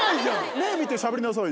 目見てしゃべりなさいよ。